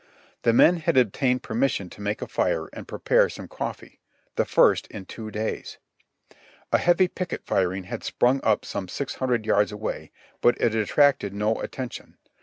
The men had obtained permission to make a fire and prepare some coffee — the first in two days. A heavy picket firing had sprung up some six hundred yards away, but it attracted no atten tion.